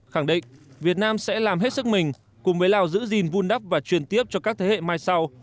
khẳng định việt nam sẽ làm hết sức mình cùng với lào giữ gìn vun đắp và truyền tiếp cho các thế hệ mai sau